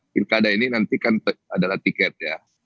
pilkada ini nanti kan adalah tiket ya